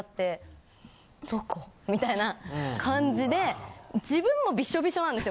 みたいな感じで自分もビショビショなんですよ。